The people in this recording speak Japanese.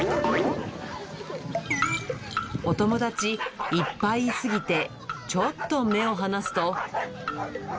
お友達いっぱいいすぎて、ちょっと目を離すと。